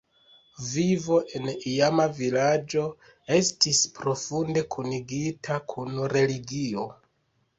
Vivo en iama vilaĝo estis profunde kunigita kun religio.